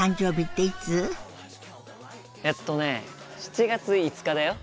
えっとね７月５日だよ。